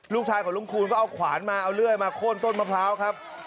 ลูกชายของลุงคูณก็เอาขวานมาเอาเลื่อยมาโค้นต้นมะพร้าวครับ